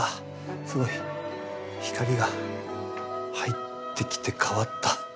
すごい光が入ってきて変わった。